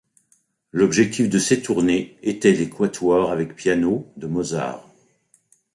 L'objectif de ces tournées étaient les Quatuors avec piano de Mozart.